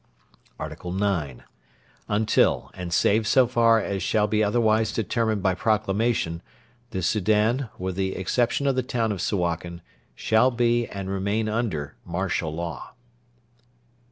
ART.IX. Until, and save so far as it shall be otherwise determined by Proclamation, the Soudan, with the exception of the town of Suakin, shall be and remain under martial law.